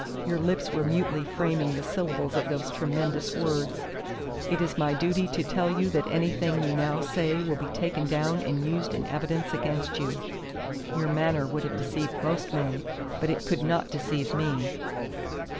Your lips were mutely framing the syllables of those tremendous words: 'It is my duty to tell you that anything you now say will be taken down and used in evidence against you.' Your manner would have deceived most men, but it could not deceive me."